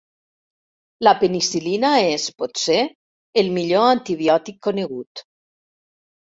La penicil·lina és, potser, el millor antibiòtic conegut.